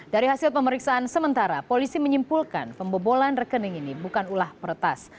dari hasil pemeriksaan sementara polisi menyimpulkan pembobolan rekening ini bukan ulah peretas